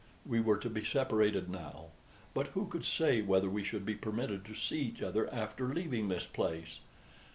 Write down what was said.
We were to be separated now; but who could say whether we should be permitted to see each other after leaving this place?